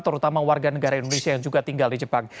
terutama warga negara indonesia yang juga tinggal di jepang